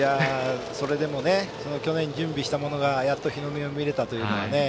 それでも去年、準備したものがやっと日の目を見れたというのはね。